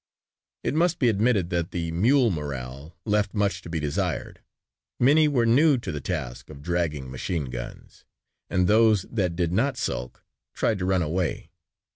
It must be admitted that the mule morale left much to be desired. Many were new to the task of dragging machine guns and those that did not sulk tried to run away.